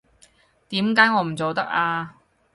點解我唔做得啊？